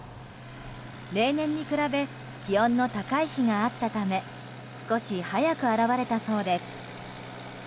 例年に比べ気温の高い日があったため少し早く現れたそうです。